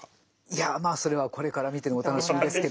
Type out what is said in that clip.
いやまあそれはこれから見てのお楽しみですけどもね。